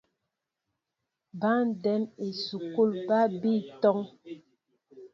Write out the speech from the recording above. Băndɛm esukul ba bi tɔŋ.